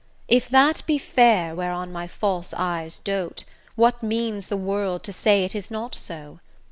If that be fair whereon my false eyes dote, What means the world to say it is not so?